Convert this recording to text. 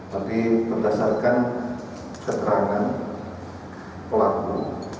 tapi berdasarkan keterangan pelaku